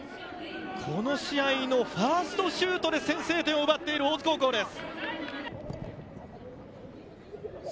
この試合のファーストシュートで先制点を奪っている大津高校です。